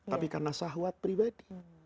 tapi karena sholat pribadi